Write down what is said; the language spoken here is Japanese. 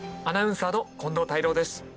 アナウンサーの近藤泰郎です。